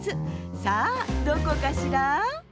さあどこかしら？